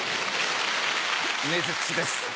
ねづっちです。